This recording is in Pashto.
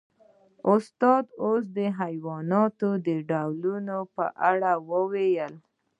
استاده اوس د حیواناتو د ډولونو په اړه ووایئ